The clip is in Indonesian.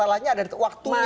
masalahnya ada di waktunya